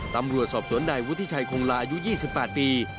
ตำรวจสอบสวนนายวุฒิชัยคงลาอายุ๒๘ปี